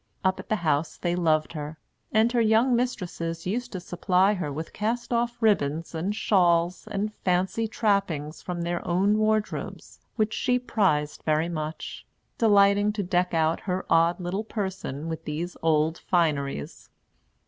Up at the house they loved her; and her young mistresses used to supply her with cast off ribbons and shawls and fancy trappings from their own wardrobes, which she prized very much, delighting to deck out her odd little person with these old fineries.